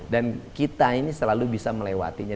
dan kita ini selalu bisa melewatinya